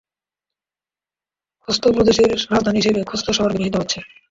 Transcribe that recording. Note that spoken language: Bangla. খোস্ত প্রদেশের রাজধানী হিসাবে খোস্ত শহর ব্যবহৃত হচ্ছে।